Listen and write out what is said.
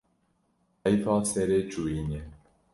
Heyfa serê çûyînê